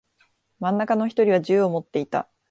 真ん中の一人は銃を持っていた。